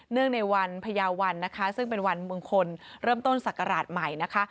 ในวันพญาวันนะคะซึ่งเป็นวันมงคลเริ่มต้นศักราชใหม่นะคะ